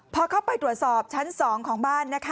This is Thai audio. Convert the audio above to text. พอเข้าไปตรวจสอบชั้น๒ของบ้านนะคะ